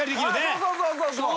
そうそうそうそう。